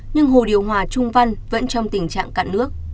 nhưng hồ điều hòa trung văn vẫn trong tình trạng cạn nước